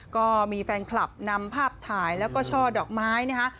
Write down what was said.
ก็มีแฟนคลับนำภาพถ่ายแล้วก็ช่อดอกไม้นะคะ